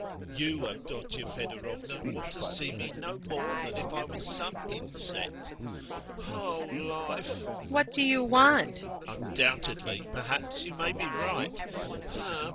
You, Avdotya Fedorovna, want to see me no more than if I was some insect. Oh, life! DUNYASHA. What do you want? EPIKHODOV. Undoubtedly, perhaps, you may be right.